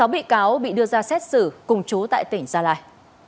sáu bị cáo bị đưa ra xét xử cùng chú tại tỉnh gia lai